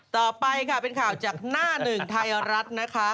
ต่อไปเป็นข่าวจากหน้าหนึ่งไทรรัฐ